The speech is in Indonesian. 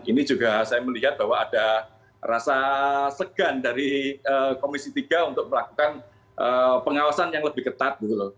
ini juga saya melihat bahwa ada rasa segan dari komisi tiga untuk melakukan pengawasan yang lebih ketat